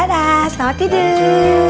dadah selamat tidur